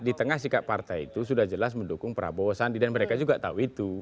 di tengah sikap partai itu sudah jelas mendukung prabowo sandi dan mereka juga tahu itu